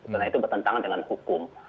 karena itu bertentangan dengan hukum